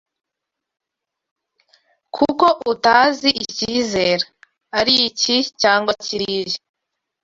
kuko utazi ikizera, ari iki cyangwa kiriya,